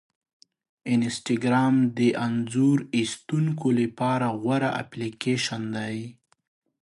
انسټاګرام د انځور ایستونکو لپاره غوره اپلیکیشن دی.